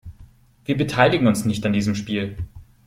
Wir beteiligen uns nicht an diesem Spiel.